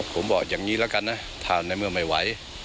ผมบอกอย่างนี้แล้วกันนะถ้าในเมื่อไม่ไหว